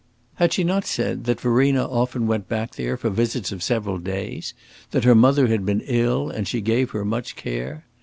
Had she not said that Verena often went back there for visits of several days that her mother had been ill and she gave her much care?